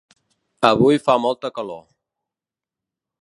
Avui fa molta calor.